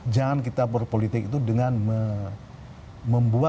jangan kita berpolitik dengan membuat wajah politik itu sangat menakutkan